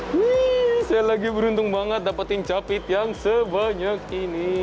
hmm saya lagi beruntung banget dapetin capit yang sebanyak ini